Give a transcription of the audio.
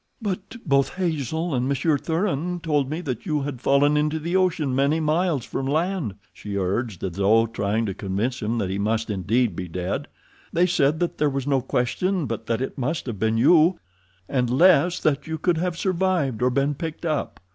"But both Hazel and Monsieur Thuran told me that you had fallen into the ocean many miles from land," she urged, as though trying to convince him that he must indeed be dead. "They said that there was no question but that it must have been you, and less that you could have survived or been picked up."